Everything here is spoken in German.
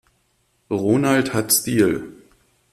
Ronald hat Stil.